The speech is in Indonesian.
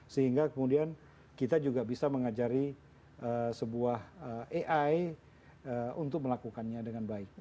sehingga kemudian kita juga bisa mengajari sebuah ai untuk melakukannya dengan baik